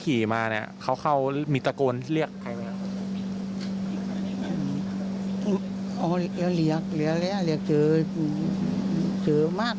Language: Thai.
เขามานานมั้ยครับมาร์ก